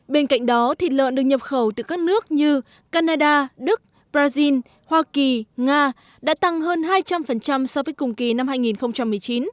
bên cạnh đó thịt lợn được nhập khẩu từ các nước như canada đức brazil hoa kỳ nga đã tăng hơn hai trăm linh so với cùng kỳ năm hai nghìn một mươi chín